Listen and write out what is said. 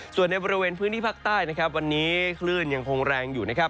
ส่วนในบริเวณพื้นที่ภาคใต้นะครับวันนี้คลื่นยังคงแรงอยู่นะครับ